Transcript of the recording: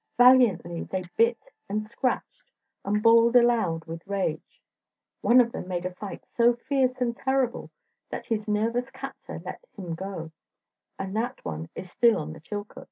Valiantly they bit and scratched, and bawled aloud with rage. One of them made a fight so fierce and terrible that his nervous captor let him go, and that one is still on the Chilkoot.